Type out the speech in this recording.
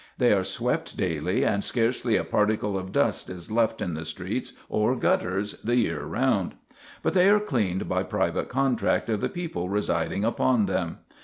They are swept daily, and scarcely a particle of dust is left in the streets or gutters the year round. But they are cleaned by private contract of the people residing upon them.